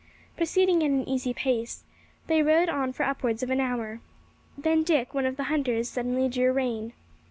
Proceeding at an easy pace, they rode on for upwards of an hour. Then Dick, one of the hunters, suddenly drew rein.